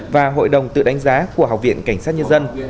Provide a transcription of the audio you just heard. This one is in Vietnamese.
và hội đồng tự đánh giá của học viện cảnh sát nhân dân